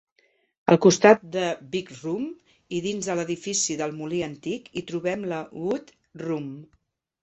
Al costat de Big Room i dins de l"edifici del molí antic hi trobem la Wood Room.